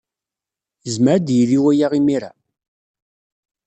Yezmer ad d-yili waya imir-a?